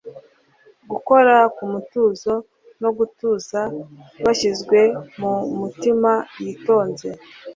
Gukora ku mutuzo no gutuza byashyizwe ku mutima yitonze